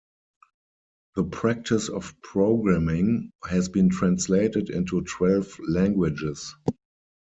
"The Practice of Programming" has been translated into twelve languages.